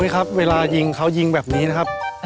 ครับเวลายิงเขายิงแบบนี้นะครับ